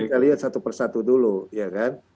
kita lihat satu persatu dulu ya kan